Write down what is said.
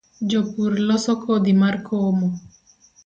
Jopur loso kodhi mar komo